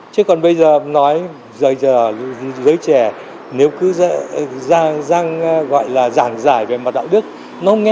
chứ còn bây giờ nói dưới trẻ nếu cứ gọi là giảng giải về mặt đạo đức nó không nghe